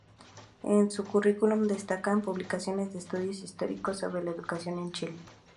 En su currículum destacan publicaciones de estudios históricos sobre la educación en Chile.